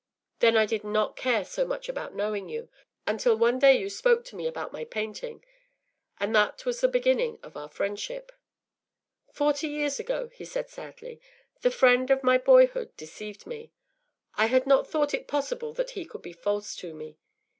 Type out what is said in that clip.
Then I did not care so much about knowing you, until one day you spoke to me about my painting, and that was the beginning of our friendship.” “Forty years ago,” he said, sadly, “the friend of my boyhood deceived me. I had not thought it possible that he could be false to me.